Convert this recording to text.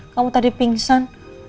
kamu tadi pingsan